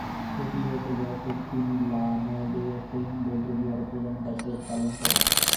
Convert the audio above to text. পঁচিশ বছর বয়সে তিনি লা-মো-ব্দে-ছেন বৌদ্ধবিহারের প্রধানের দায়িত্ব লাভ করেন।